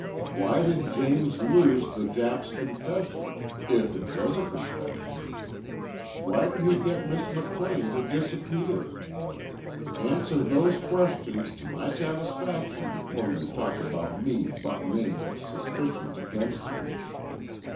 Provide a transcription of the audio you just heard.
Why did James lose the Jap's confession if it was a confession? Why did he get Miss McLean to disappear? Answer those questions to my satisfaction before you talk about me buttin' in with suspicions against you."